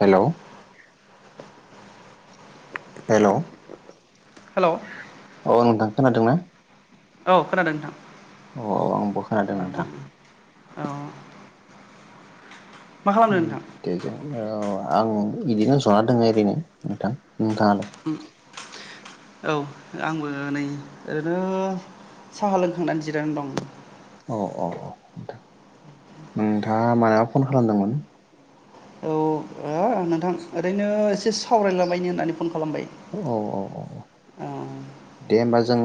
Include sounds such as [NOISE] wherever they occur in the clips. Hello hello hello औ नोथां। खोनादोंना? औ खोनादों नोंथां। औ औ आंबो खोनादों नोंथां। औ मा खालामदों नोंथां देजों औ आं इदिनो ज'ना दङ' ओरैनो नोंथां। नोंथाङालाय? औ आंबो नै ओरैनो साहा लोंखांनानै जिरायनानै दं। अ अ औ नोंथाङा मानो फन खालामदोंमोन? औ नोंथां ओरैनो एसे सावरायलाबायनो होननानै फन खालामबाय औ औ औ औ दे होमबा जों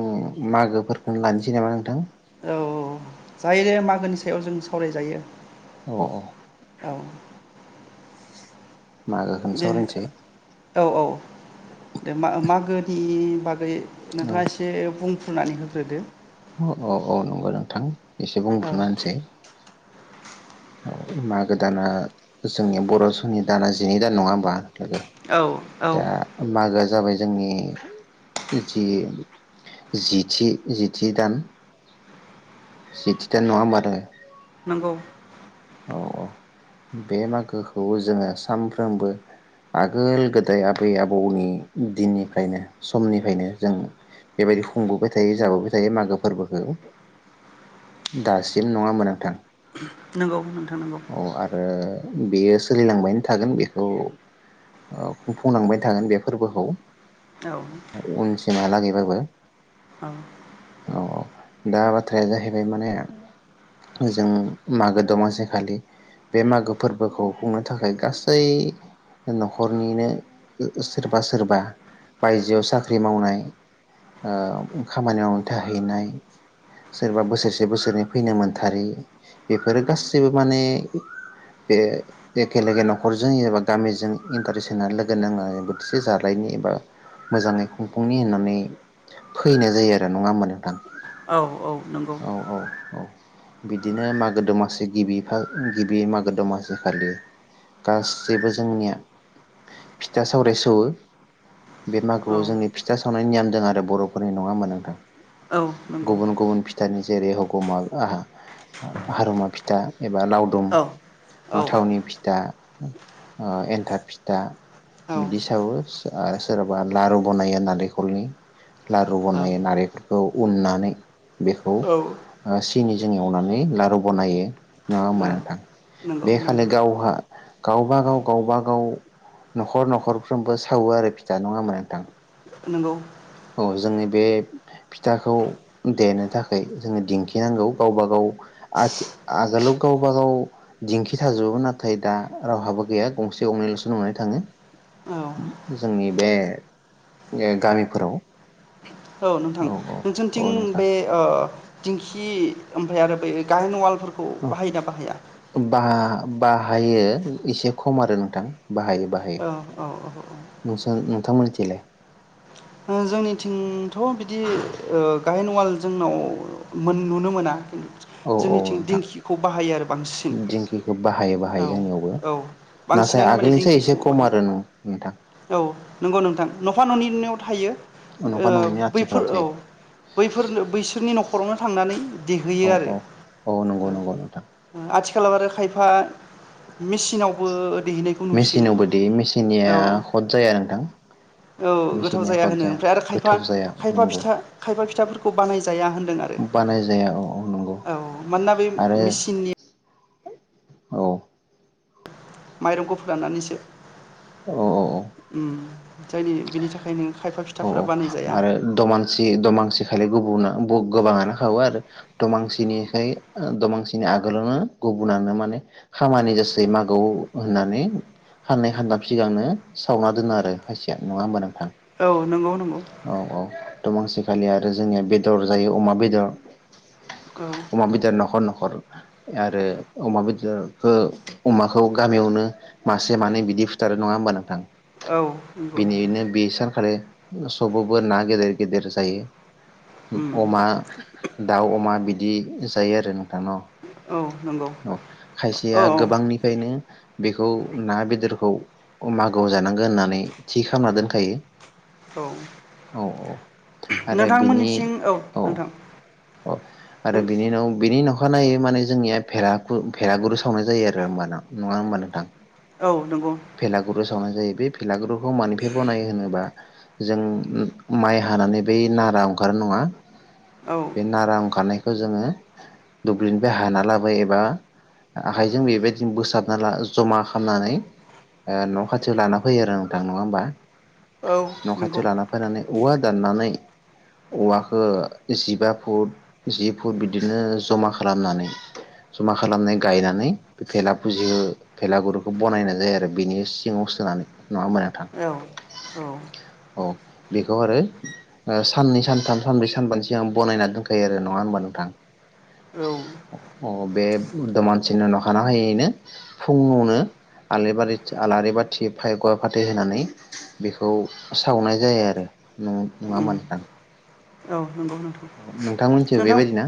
मागोफोरखौनो लानोसै नामा नोंथां? औ जायो मागोनि सायाव जों सावरायजायो। औ औ मागोखौनो दे सावरायनोसै। औ औ दे मा मागोनि बाग गै औ नोंथाङा एसे बुं फ्रुनानै होग्रोदो? औ औ नंगौ नोंथां। एसे औ बुंफ्रुनानै होनोसै। औ मागो दाना जोंनि बर' समनि दाना जिनै दान नङा होमबा? लोगो औ औ दा मागोआ जाबाय जोंनि जि जिथि जिथि दान जिथिथा नङा होनबा नोंगौ औ औ बे मागोखौ जोङो सानफ्रोमबो आगोल गोदाय आबै आबौनि दिननिफ्रायनो समनिफ्रायनो जों बेबायदि खुंबोबाय थायो जाबोबाय थायो मागो फोरबोखौ दासिम नङा होनबा नोंथां नोंगौ नोंथां नोंगौ औ आरो बेयो सोलिलांबायनो थागोन बेखौ ओ खुंफुंलांबाय थागोन बे फोरबोखौ औ ओ उनसिमा लागै बयबो औ दा बाथ्राया जाहैबाय माने जों मागो दमासि खालि बे मागो फोरबोखौ खुंनो थाखाय गासै न'खरनिनो ओ ओ सोरबा सोरबा बायजोआव साख्रि मावनाय ओ खामानि मावनो थाहैनाय सोरबा बोसोरसे बोसोरनै फैनो मोनथारि बेफोरो गासै सिबो माने बे एखेलेगे न'खरजों एबा गामिजों इन्टारेस्ट होनानै लोगो नाङो बोथिसे जालायनि एबा मोजाङै खुंफुंनि होननानै फैनाय जायो आरो नङा होमा नोंथां। औ औ नंगौ औ औ बिदिनो मागो दमासि गिबि फा गिबि मागो दमासि खालि गासैबो जोंनिया फिथा सावराय सौवो बे औ मागोआव जोंनि फिथा सावनाय नेयमजों आरो बर'फोरनि नङा होनबा नोंथां? औ नंगौ गुबुन गुबुन फिथानि जेरै हगमा आहा हारमा फिथ दा एबा लावदुम औ ओ औ थावनि फिथा ओम एन्थाब फिथा औ बिदि सावो सो आरो सोराबा लारु बनायो नारेंखलनि लारु बनायो नारेंखलखौ उन्नानै बेखौ औ ओ सिनिजों एवनानै लारु बनायो। नङा होनबा औ नोंथां नंगौ बे खालि नंगौ गावहा गावबागाव गावबागाव न'खर न'खरफ्रोमबो सावो आरो फिथा नङा होनबा नोंथां नंगौ औ जोंनि बे फिथाखौ देनो थाखाय जोङो दिंखिनांगौ गावबा गाव आथिं आजोलाव गावबा गाव दिंखि थाजोबो नाथाय दा रावहाबो गैया गंसे गंनैल'सो नुनानै थाङो औ जोंनि बे ओ गामिफोराव औ नोंथां औ नोंसोरथिं औ नोंथां बे ओ दिंखि ओमफ्राय आरो बै गाहेन अवाल फोरखौ औ बाहायना बाहाया? बा बाहायो एसे खम' आरो नोंथां बाहायो बाहायो औ औ औ नोंसा नोंथां मोनथिलाय ओ जोंनिथिंथ' बिदि ओ गायहेन अवाल जोंनाव मोन' नुनो मोना औ औ जोंनिथिं नोंथां दिंखिखौ बाहायो आरो बांसिन दिंखिखौ बाहायो बाहायो औ जोंनियावबो औ नाथाय बांसिनानो माने आगोलनिसो एसे दिंखिखौ खम बाहायो आरो नोंथां औ नंगौ नोंथां न'फा ननैनियाव औ नफा ननै बैफोर आथिखालाव औ थायो बैफोर बैसोरनि न'खरावनो थांनानै औ देहोयो आरो औ औ नंगौ नंगौ नोंथां आथि आथिखालाव आरो खायफा मेसिनावबो मेसिनावबो देयो मेचिननिया खद जाया नोंथां। औ गोथाव मेसिननिया जाया खद होनो ओमफ्राय आरो खायफा गोथाव जाया खायफा नंगौ फिथा खायफा फिथाफोरखौ बानाय जाया होनदों आरो बानाय जाया औ औ नंगौ औ मानोना बे आरो मेसिननि औ माइरंखौ फराननानैसो औ औ औ उम जायनि बिनि थाखाय नों खायफा फिथाफोरा बानायजाया मानसि दमांसि खालि गुबुना-गोबाङानो खावो आरो दमांसिनिखाय दमांसिनि आगोलावनो गुबुनानो माने खामानि जासै मागौ होननानै खाननै खानथाम सिगांनो सावना दोनो आरो खायसेया। नङा होमबा नोंथां? औ नोंगौ नंगौ। दमांसिखालि आरो जोंनिया बेदर जायो अमा बेदर। औ अमा बेदर न'खर न'ख खर आरो अमा बेदरखौ अमाखौ गामियावनो मासे मानै बिदि फुथारो नङा होमबा नोंथां? औ नंगौ नोंथां। सबाबो ना गेदेर गेदेर जायो। उम अमा, दाउ अमा बिदि जायो आरो नोंथां न'? औ नंगौ औ औ खायसेया गोबांनिफायनो बेखौ ना बेदरखौ मागोआव जानांगो होननानै थि खालामना दोनखायो। औ औ औ नोंथांमोननिथिं औ नोंथां। अ आरो नों बिनि उनाव बेनि नखा नायै माने जोंनिया भेराखुर-भेरागुरु सावनाय जायो आरो होमबाना। नङा होमबा नोंथां? औ नंगौ भेलागुरु सावनाय जायो। बे भेलागुरखौ मानिफ्राय बनायो होनोबा जों माइ हानानै बै नारा अंखारो नङा? औ बे नारा ओंखारनायखौ जोङो दुब्लिनिफ्राय हाना लाबोयो एबा आखाइजों बेबायदिनो बोसाबना ला जमा खालामनानै न' खाथियाव लाना फैयो नोंथां। नङा होमबा? औ न' नंगौ खाथियाव लाना फैनानै औवा दाननानै औवाखो जिबा फुट जि फुट बिदिनो जमा खालामनानै जमा खालामनाय गायनानै भेला फुजियो भेलागुरखौ बनायनाय जायो आरो बिनि सिङाव सोनानै। नङा होनबा नोंथां? औ औ औ बेखौ आरो साननै सानथाम सानब्रै सानबानि सिगां बनायनानै दोनखायो आरो नङा होमबा नोंथां? औ अ बे दमासिनि अखानायैनो फुङावनो आलेबारि-आलारि बाथि फाय गव फाथै होनानै बेखौ सावनाय जायो आरो। नङा होनबा उम नोंथां? औ नंगौ नोंथां नोंथांमोनथिं नोंथां बेबायदिना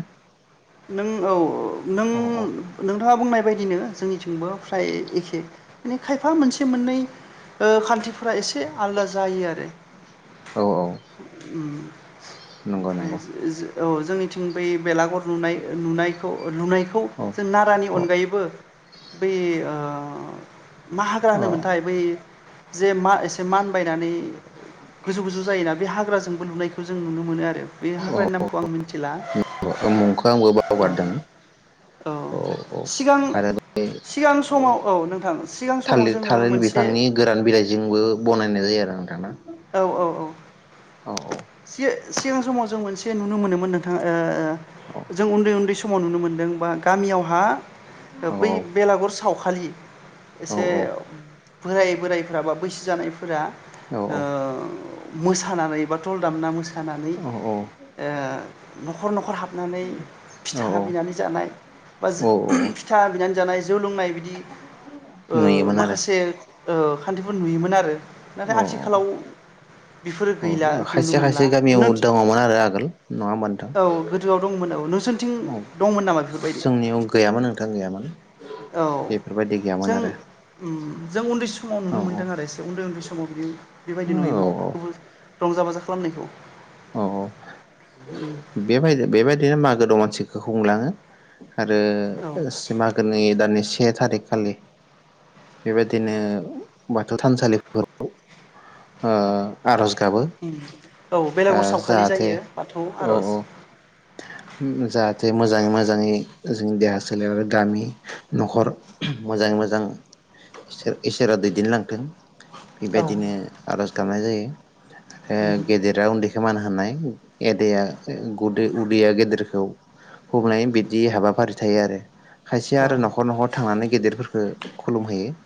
नों औ औ नों नोंथाङा बुंनाय बेबायदिनो जोंनिथिंबो फ्राय एखे माने खायफा मोनसे मोननै ओ खान्थिफोरा एसे आलादा जायो आरो। औ औ उम नंगौ नंगौ [UNINTELLIGIBLE] औ जोंनिथिं बै बेलागर नुनाय नुनायखौ लुनाय खौ औ जों नारानि औ अनगायैबो बेै ओ मा हाग्रा होनोमोनथाय औ बै जे मा एसे मानबायनानै गोजौ गोजौ जायोना बे हाग्राजों नुनायखौ जों नुनो मोनो आरो बे हाग्रानि नामखौ आं मिन्थिला औ मुंखौ आंबो औ बावगारदों औ सिगां आरो सिगां समाव औ नोंथां सिगां समाव थालिर जोङो थालिर मोनसे नाय जायो आरो नोंथां ना? औ औ औ औ औ। सिगां समाव जों मोनसे नुनो मोनोमोन नोंथां ओं जों उन्दै उन्दै स माव नुनो मोनदों बा गामियावहा औ बै बेलागुर सावखालि औ एसे- बोराय बोरायफोरा बा बैसो जानायफोरा औ ओ मोसानानै बा दल दामना मो सानानै औ ओ न'खर न'खर हाब नानै औ फिथा बिनानै जानाय बा औ औ औ फिथा बिना जानाय जौ लोंनाय बि नुयोमोन आरो माखासे खान्थिफोर नुयोमोन आरो नाथाय आथिखालाव अ बेफोरो गैला औ खायसे मोनला खायसे गामियाव नों दङमोन आरो आगोल नङा होमबा नोंथां औ गोदोआव दंमोन औ नोंसोरनिथिं औ दंमोन नामा बेफोरबायदि जोंनियाव गैयामोन नोंथां गैयामोन औ बेफोरबायदि गैयामोन जों आरो जों उन्दै सम समाव औ नुनो मोनदों आरो एसे उन्दै उन्दै समाव बिदि बेबायदि औ नुयोमोनबो रंजा बाजा खालामनायखौ औ औ बेबाय बेबायदिनो मागो दं मानसि बे हुंलाङो आरो औ सिमागोनि दान से थारिक खालि बेबायदिनो बाथौ थानसालिफोराव ओ औ बे ओ जाहाथे औ औ जाहाथे मोजाङै मोजाङै जोंनि देहा ओनसोल आरो गामि न'खर मोजाङै मोजां इसोर-इसोरा दैदेनलांथों औ बेबायदिनो आरज गाबनाय जायो। आरो उम गेदेरा उन्दै खोमानो हानाय एदेया उदैया गेदेरखौ हमनाय बिदि हाबाफारि थायो आरो खायसे औ आरो न'खर न'खर थांनानै गेदेरफोरखौ खुलुमहोयो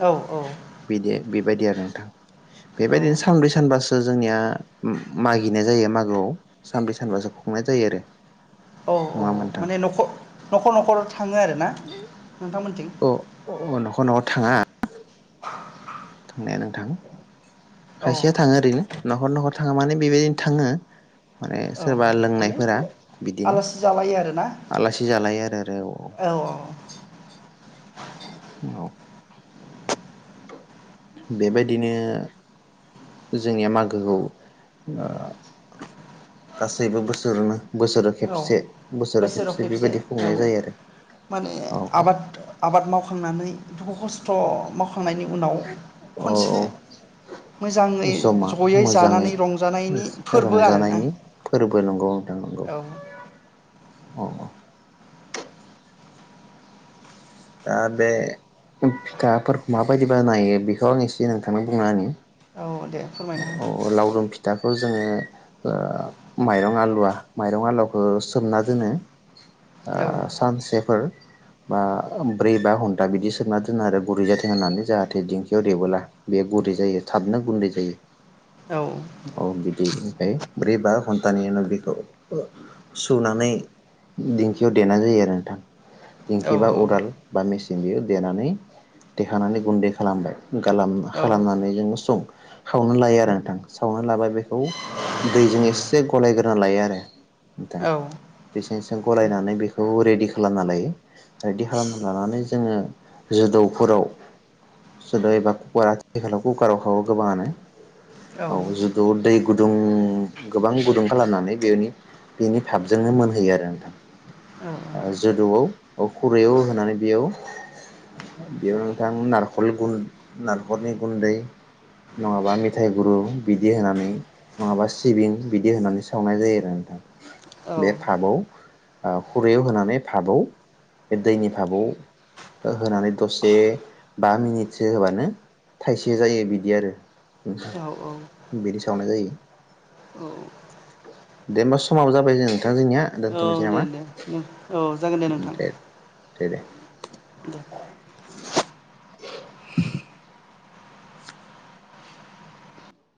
औ औ बेबायदि आरो नोंथां औ बेबायदिनो सानब्रै सानबासो जोंनिया उ मागिनाय जायो मागोआव सानब्रै सानबासो खुंनाय जायो आरो औ औ नङा होनबा नोंथां माने न'ख-न'खर न'खर थाङो आ रोना नोंथांमोनथिं औ अ न'खर न'आव थाङा [UNINTELLIGIBLE] थांनाया नोंथां औ खायसेया थाङो ओरैनो न'खर न'खर थाङा माने बेबायदिनो थाङो माने औ सोरबा माने लोंनायफोरा बिदिनो आलासि जालायो आरोना आलासि जालायो आरो औ औ औ बेबायदिनो जोंनिया मागोखौ ओ गासैबो बोसोरावनो बोसोराव औ खेबसे बोसोराव खेबसे बेबायदि औ खुंनाय जायो आरो माने औ औ आबाद आबाद मावखांनानै दुखु खस्थ' मावखांनायनि उनाव औ औ खनसे मोजाङै जमा जयै मोजाङै जानानै रंजानायनि फोरबो आरोना रंजानायनि [INAUDIBLE] फोरबो नंगौ नोंथां नंगौ औ औ दा बे ओग फिखााफोरखौ माबायदि बानायो बेखौ आं एसे नोंथांनो बुंना होनि औ दे फोरमायना हो थाखौ जोङो ओ माइरं आलुवा माइरं आलुवाखौ सोमना दोनो ओ हो सानसेफोर बा ब्रै बा घन्टा बिदि सोमना दोनो आरो गुरै जाथों होननानै जाहाथे दिंखियाव देबोला बेयो गुरै जायो थाबनो गुन्दै जायो। औ औ बिदि यै ब्रै बा घन्टानि उनाव बेखौ ओ सुनानै दिंखियाव देनाय जायो आरो नोंथां। औ दिंखि बा उराल मेचिन बेयो देनानै देखानानै गुन्दै खालामबाय। गालाम औ खालामनानै जोङो सं सावनो लायो आरो नोंथां सावना लाबाय बेखौ दैजों एसे गलायग्रोना लायो आरो नोंथां एसे एसे गलायनानै बेखौ रेडि खालामनानै लायो। खालामना लानानै जोङो जोदौफोराव सोनाय एबा कुवा आथिखालाव कुकाराव खावो गोबाङानो। औ जुदौ दै गु दुं गोबां गुदुं खालामनानै बेनि बेनि थाफजोंनो मोनहैयो आरो नोंथां। ओ जोदौआव अह खु खुरैयाव होनानै बेयाव बेयाव नोंथां नारखल गुन नारखलनि गुन्दै नङाबा मेथाइ गुरु बिदि होनानै नङाबा सिबिं बिदि होनानै सावनाय जायो आरो नोंथां बे औ भाबआव खुरैयाव होनानै भाबआव बे दैनि भाबाव ओ होनानै दसे बा मिनिटसो होबानो थाइसे जायो बिदि आरो औ ओम बिदि सावनाय जायो दे होमबा समाबो जाबाय जोंना नोंथां जोंनिया। औ दोनथ'नोसै दे नामा दे ओम जागोन दे नोंथां। दे दे। दे [INAUDIBLE]